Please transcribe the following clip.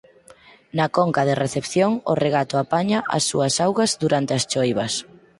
Na conca de recepción o regato apaña as súas augas durante as choivas.